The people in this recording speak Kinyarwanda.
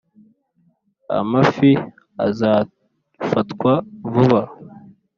amafi azafatwa vuba,